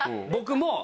僕も。